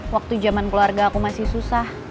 waktu zaman keluarga aku masih susah